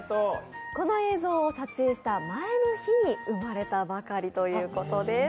この映像を撮影した前の日に生まれたばかりということです。